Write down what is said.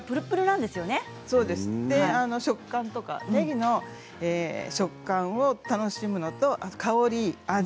食感とかねぎの食感を楽しむのと香り、味。